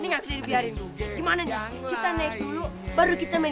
gimana nih baru kita